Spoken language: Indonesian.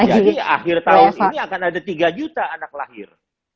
jadi akhir tahun ini akan ada tiga juta anak lahir